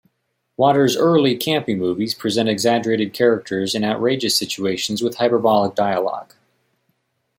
Waters' early campy movies present exaggerated characters in outrageous situations with hyperbolic dialogue.